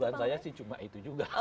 saya sih cuma itu juga